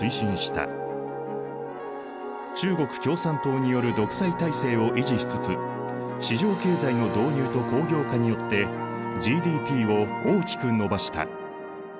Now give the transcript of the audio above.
中国共産党による独裁体制を維持しつつ市場経済の導入と工業化によってＧＤＰを大きく伸ばした。